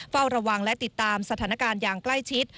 เฝ้าระวังและติดตามสถานการณ์อย่างใกล้ชิด